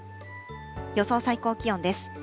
予想最高気温です。